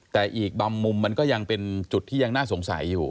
แต่อีกบางมุมมันก็ยังเป็นจุดที่ยังน่าสงสัยอยู่